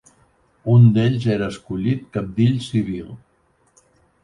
Un d'ells era escollit cabdill civil.